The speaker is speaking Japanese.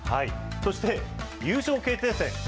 そして、優勝決定戦。